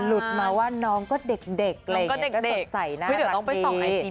แต่หลุดมาว่าน้องก็เด็กสดใสน่ารักดี